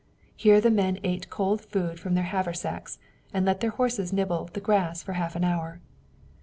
Here the men ate cold food from their haversacks and let their horses nibble the grass for a half hour.